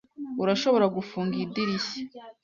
Urashobora gufunga idirishya?